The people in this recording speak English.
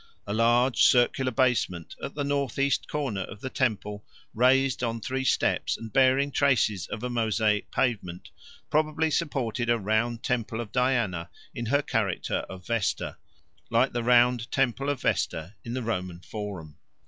A large circular basement at the north east corner of the temple, raised on three steps and bearing traces of a mosaic pavement, probably supported a round temple of Diana in her character of Vesta, like the round temple of Vesta in the Roman Forum.